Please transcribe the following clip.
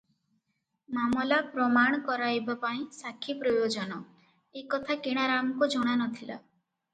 ମାମଲା ପ୍ରମାଣ କରାଇବା ପାଇଁ ସାକ୍ଷୀ ପ୍ରୟୋଜନ, ଏ କଥା କିଣାରାମଙ୍କୁ ଜଣା ନ ଥିଲା ।